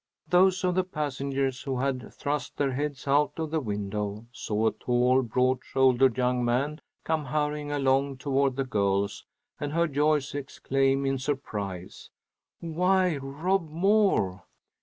Those of the passengers who had thrust their heads out of the windows, saw a tall, broad shouldered young man come hurrying along toward the girls, and heard Joyce exclaim in surprise, "Why, Rob Moore!